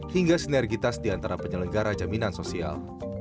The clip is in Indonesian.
hingga sinergitas di antara penyelenggara jaminan sosial